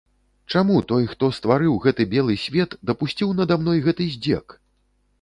Чаму той, хто стварыў гэты белы свет, дапусціў нада мной гэты здзек?